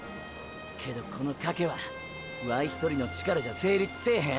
けどこの「賭け」はワイ１人の力じゃ成立せーへん。